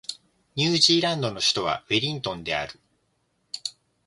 ニュージーランドの首都はウェリントンである